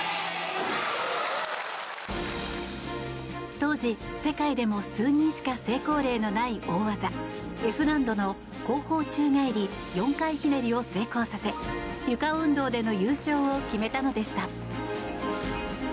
当時、世界でも数人しか成功例のない大技Ｆ難度の後方宙返り４回ひねりを成功させゆか運動での優勝を決めたのでした。